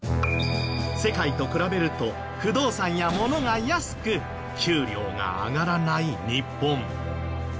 世界と比べると不動産や物が安く給料が上がらない日本。